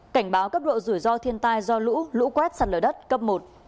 cảnh báo cấp độ rủi ro thiên tai do lũ lũ quét sạt lở đất cấp một